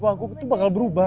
aku tuh bakal berubah